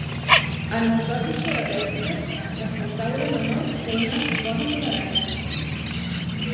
En les dosis terapèutiques, la centaura menor té una bona tolerància.